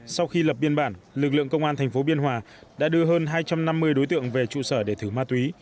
sau khi lập biên bản lực lượng công an thành phố biên hòa đã đưa hơn hai trăm năm mươi đối tượng về trụ sở để thử ma túy